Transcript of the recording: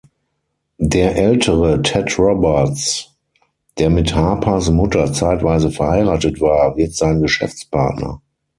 Der ältere Ted Robards, der mit Harpers Mutter zeitweise verheiratet war, wird sein Geschäftspartner.